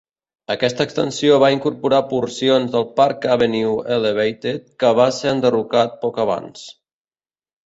Aquesta extensió va incorporar porcions del Park Avenue Elevated, que va ser enderrocat poc abans.